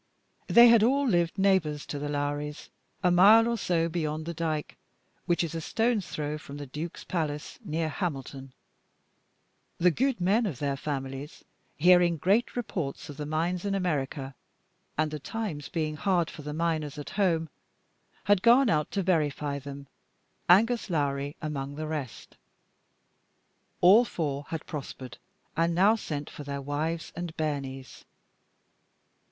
They had all lived neighbors to the Lowries, a mile or so beyond the dike which is a stone's throw from the duke's palace, near Hamilton; the "gudemen" of their families, hearing great reports of the mines in America, and the times being hard for miners at home, had gone out to verify them, Angus Lowrie among the rest. All four had prospered, and now sent for their wives and bairnies.